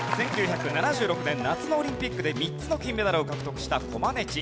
１９７６年夏のオリンピックで３つの金メダルを獲得したコマネチ。